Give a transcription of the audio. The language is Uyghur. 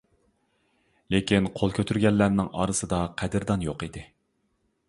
لېكىن قول كۆتۈرگەنلەرنىڭ ئارىسىدا قەدىردان يوق ئىدى.